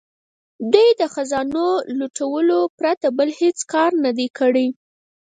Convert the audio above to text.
دوی د خزانو لوټلو پرته بل هیڅ کار نه دی کړی.